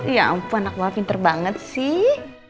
ya ampun anak mama pinter banget sih